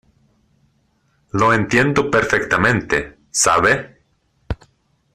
lo entiendo perfectamente. ¿ sabe?